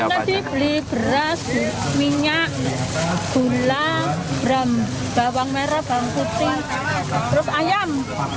beras minyak gula bawang merah bawang putih terus ayam